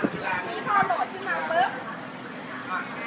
ตัวนี้พอโหลดขึ้นมาเปิ๊บ